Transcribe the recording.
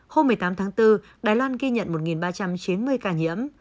hôm một mươi tám tháng bốn đài loan ghi nhận một ba trăm chín mươi ca nhiễm